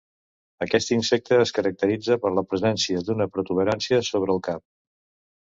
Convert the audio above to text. Aquest insecte es caracteritza per la presència d'una protuberància sobre el cap.